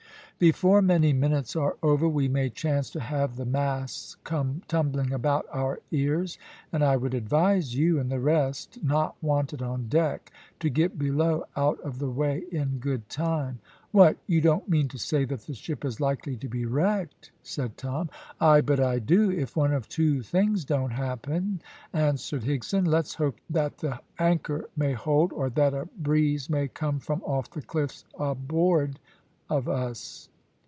"Before many minutes are over we may chance to have the masts come tumbling about our ears, and I would advise you, and the rest not wanted on deck, to get below out of the way in good time." "What, you don't mean to say that the ship is likely to be wrecked?" said Tom. "Ay, but I do, if one of two things don't happen," answered Higson. "Let's hope that they may that the anchor may hold, or that a breeze may come from off the cliffs aboard of us."